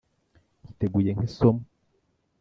giteguye nk’isomo.